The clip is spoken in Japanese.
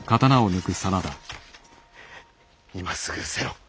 今すぐうせろ！